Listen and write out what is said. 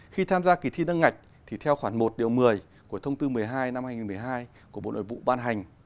khi tham gia kỳ thi nâng ngạch thì theo khoản một điều một mươi của thông tư một mươi hai năm hai nghìn một mươi hai của bộ nội vụ ban hành